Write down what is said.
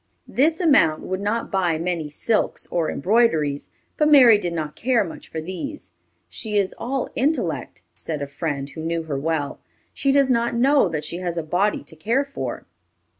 This amount would not buy many silks or embroideries, but Mary did not care much for these. "She is all intellect," said a friend who knew her well; "she does not know that she has a body to care for."